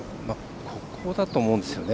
ここだと思うんですよね。